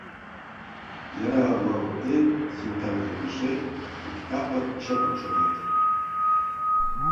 Яра орва воктен Султан ден Мишель иктапыр шыпак шогат.